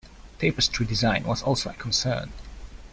Tapestry design was also a concern.